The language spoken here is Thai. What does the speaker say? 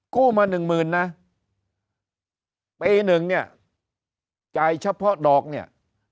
กู้มา๑๐๐๐นะปี๑เนี่ยจ่ายเฉพาะดอกเนี่ย๓๐๐๐๐